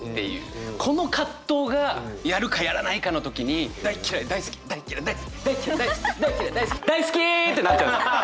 この葛藤がやるかやらないかの時に大っ嫌い大好き大っ嫌い大好き大っ嫌い大好き大っ嫌い大好き大好き！ってなっちゃうんです